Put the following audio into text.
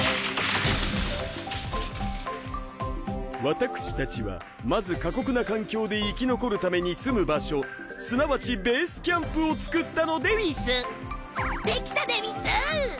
私たちはまず過酷な環境で生き残るために住む場所すなわちベースキャンプを作ったのでうぃすできたでうぃす！